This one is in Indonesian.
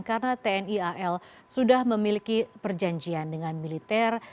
karena tni al sudah memiliki perjanjian dengan militer